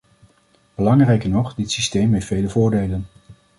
Belangrijker nog: dit systeem heeft vele voordelen.